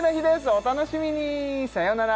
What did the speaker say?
お楽しみにさようなら